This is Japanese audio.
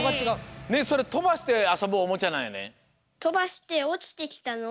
ねえそれとばしてあそぶおもちゃなんやね？